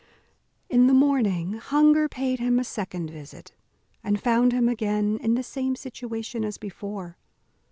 In the morning hunger paid him a second visit, and found him again in the same situation as before.